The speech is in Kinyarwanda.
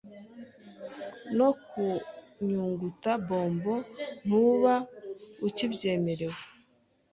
no kunyunguta bombo ntuba ukibyemerewe